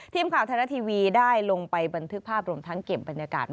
ทีมขาวเทนาทีวีได้ลงไปบรรทึกภาพรวมทั้งเกมบรรยากาศ